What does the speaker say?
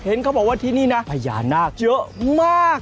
เขาบอกว่าที่นี่นะพญานาคเยอะมาก